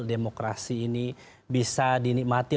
demokrasi ini bisa dinikmati